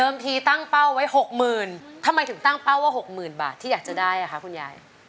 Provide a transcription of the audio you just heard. นี่เราเข้าในไว้ว่า๖๐๐๐๐บาทที่อยากจะได้อ่ะคุณยาย